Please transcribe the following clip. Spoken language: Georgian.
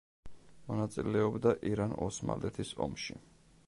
მონაწილეობდა ირან-ოსმალეთის ომში.